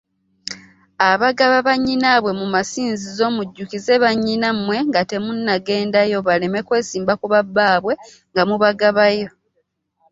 Abagabira bannyinaabwe mu masinzizo mujjukize bannyinammwe nga temunnagendayo baleme kwesimba ku babbaabwe nga mubagabayo.